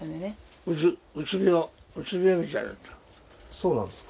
そうなんですか？